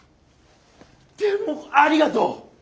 でもありがとう！